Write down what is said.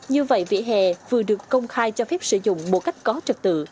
như vậy vỉa hè vừa được công khai cho phép sử dụng một cách có trật tự